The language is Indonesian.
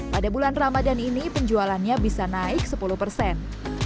pada bulan ramadan ini penjualannya bisa naik sepuluh persen